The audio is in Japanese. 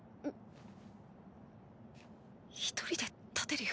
一人で立てるよ。